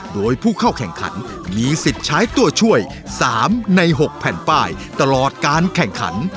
โดยผู้เข้าแข่งขันมีสิทธิ์ใช้ตัวช่วย๓ใน๖แผ่นป้ายตลอดการแข่งขัน